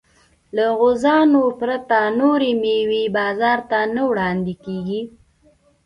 له غوزانو پرته نورې مېوې بازار ته نه وړاندې کېږي.